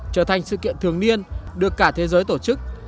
trở thành sự kiện thường niên được cả thế giới tổ chức